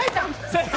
正解！